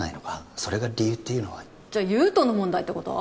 それが理由っていうのはじゃあ優人の問題ってこと？